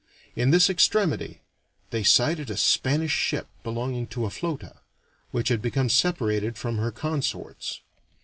In this extremity they sighted a Spanish ship belonging to a "flota" which had become separated from her consorts.